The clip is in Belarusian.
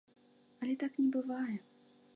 Але так не бывае.